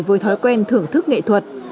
với thói quen thưởng thức nghệ thuật